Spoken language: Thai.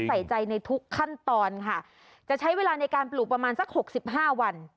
ใส่ใจในทุกขั้นตอนค่ะจะใช้เวลาในการปลูกประมาณสักหกสิบห้าวัน